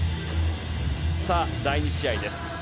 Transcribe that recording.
さあ、第２試合です。